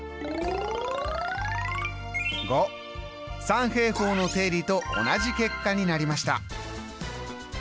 三平方の定理と同じ結果になりました。